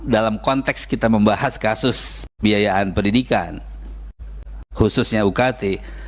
dalam konteks kita membahas kasus biayaan pendidikan khususnya ukt